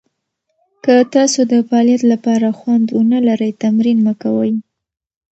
که تاسو د فعالیت لپاره خوند ونه لرئ، تمرین مه کوئ.